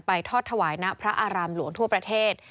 ทอดถวายณพระอารามหลวงทั่วประเทศ